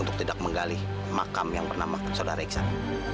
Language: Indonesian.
untuk tidak menggali makam yang bernama saudara iksan